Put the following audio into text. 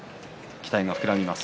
期待が膨らみます。